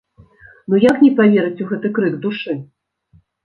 Ну як не паверыць у гэты крык душы?